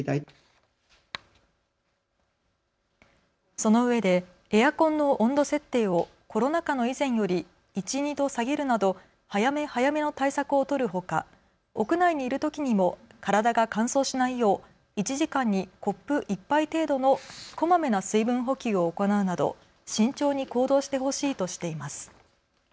そのうえでエアコンの温度設定をコロナ禍の以前より１、２度下げるなど早め早めの対策を取るほか、屋内にいるときにも体が乾燥しないよう１時間にコップ１杯程度のこまめな水分補給を行うなど慎重に行動してほしいとしています。